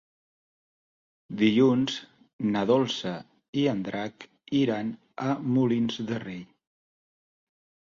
Dilluns na Dolça i en Drac iran a Molins de Rei.